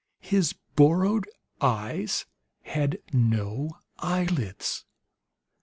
His borrowed eyes had no eyelids!